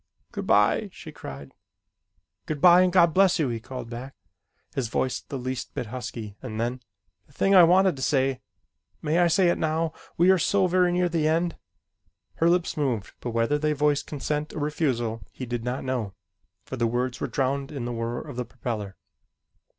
"Good bye!" she cried. "Good bye, and God bless you!" he called back his voice the least bit husky and then: "The thing I wanted to say may I say it now, we are so very near the end?" Her lips moved but whether they voiced consent or refusal he did not know, for the words were drowned in the whir of the propeller.